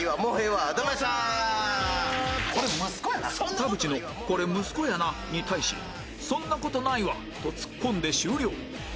田渕の「これ息子やな」に対し「そんな事ないわ！」とツッコんで終了